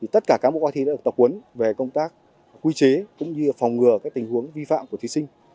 tất cả cán bộ coi thi đã được tập huấn về công tác quy chế cũng như phòng ngừa các tình huống vi phạm của thí sinh